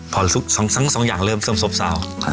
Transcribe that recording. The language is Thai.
พอทั้งสองอย่างเริ่มเสริมสบสาว